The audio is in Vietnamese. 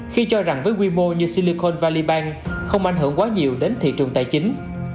khi cho rằng với quy mô như silicon valley bank không ảnh hưởng quá nhiều đến thị trường tài chính